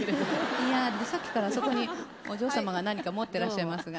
いやさっきからそこにお嬢様が何か持ってらっしゃいますが。